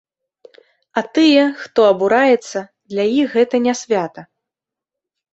А тыя, хто абураецца, для іх гэта не свята.